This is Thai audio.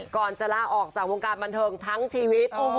ก่อนจะลาออกจากวงการบันเทิงทั้งชีวิต